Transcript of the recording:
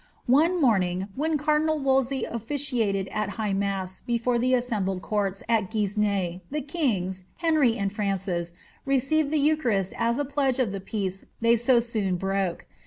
One morning, when car dinal Wolsey officiated at high mass before the assembled courts at Guisnes, the kings, Henry and Francis, received the eucharist as a pledge of the peace they so soon broke.